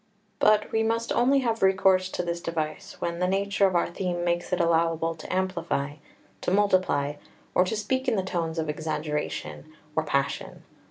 But we must only have recourse to this device when the nature of our theme makes it allowable to amplify, to multiply, or to speak in the tones of exaggeration or passion.